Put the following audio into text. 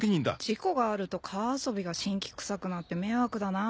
「事故があると川遊びが辛気くさくなって迷惑だな」。